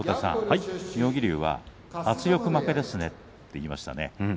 妙義龍は圧力負けですねと言いましたね。